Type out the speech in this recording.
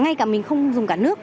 ngay cả mình không dùng cả nước